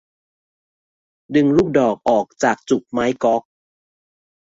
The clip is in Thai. ดึงลูกดอกออกจากจุกไม้ก๊อก